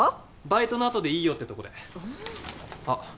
バイトのあとでいいよってとこであああっ